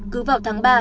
cứ vào tháng ba